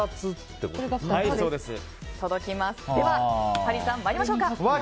では、ハリーさん参りましょうか。